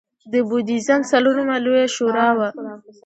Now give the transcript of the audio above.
د بودیزم څلورمه لویه شورا وه